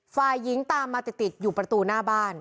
ฝ่ายหญิงตามมาติดอยู่ประตูหน้าบ้าน